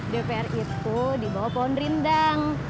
dpr itu di bawah pohon rindang